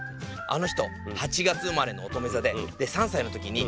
あの人８月生まれのおとめ座で３さいの時に。